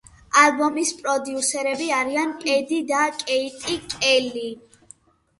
ალბომის პროდიუსერები არიან პედი და კეიტი კელი.